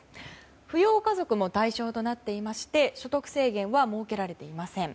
扶養家族も対象となっていまして所得制限は設けられていません。